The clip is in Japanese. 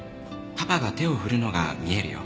「パパが手を振るのが見えるよ」